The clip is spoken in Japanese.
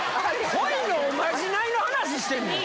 恋のおまじないの話してんねん。